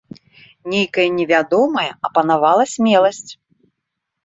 Нейкая невядомая апанавала смеласць.